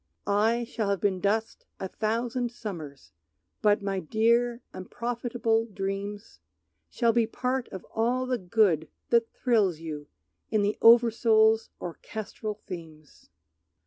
I shall have been dust a thousand summers, But my dear unprofitable dreams Shall be part of all the good that thrills you In the oversoul's orchestral themes.